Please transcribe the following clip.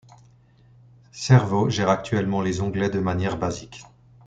Servo gère actuellement les onglets de manière basique.